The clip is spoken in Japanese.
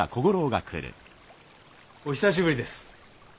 お久しぶりです。